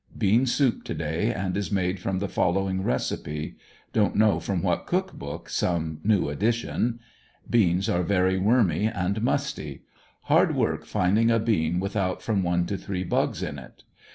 Bean soup to day and is made from the following recipe, (don't know from what cook book, some new edition): Beans are very wormy and musty. Hard work finding a bean without from one to three bugs in it.